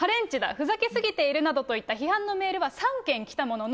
ふざけ過ぎているなどといった批判のメールは３件来たものの。